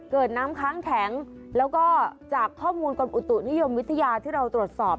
น้ำค้างแข็งแล้วก็จากข้อมูลกรมอุตุนิยมวิทยาที่เราตรวจสอบ